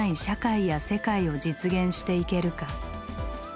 社会や世界を実現していけるか。